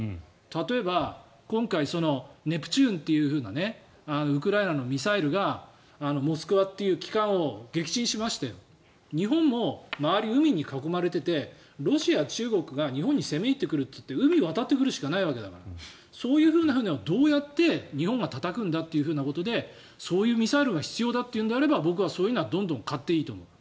例えば今回、ネプチューンというウクライナのミサイルが「モスクワ」という旗艦を撃沈しまして日本も周り海に囲まれててロシア、中国が日本に攻め入ってくるといって海を渡って来るしかないわけだからそういう船をどうやって日本がたたくんだということでそういうミサイルが必要だというのであれば僕はそういうのはどんどん買っていいと思う。